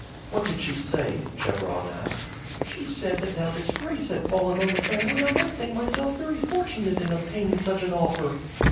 "What did she say?" Chebron asked. "She said that now disgrace had fallen on the family I might think myself very fortunate in obtaining such an offer."